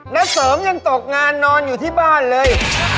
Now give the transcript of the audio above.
เสริมยังตกงานนอนอยู่ที่บ้านเลย